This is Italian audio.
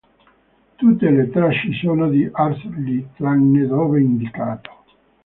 Tutte le tracce sono di Arthur Lee tranne dove indicato.